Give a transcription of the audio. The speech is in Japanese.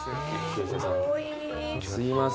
すいません